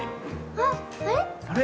あっあれ？